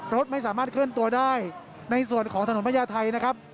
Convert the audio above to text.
รถไม่สามารถเคลื่อนตัวได้ในส่วนของถนนพญาไทยนะครับ